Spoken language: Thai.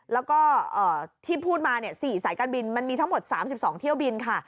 แล้วก็ที่พูดมา๔สายการบินมันมีทั้งหมด๓๒เที่ยวบินค่ะ